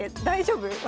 大丈夫？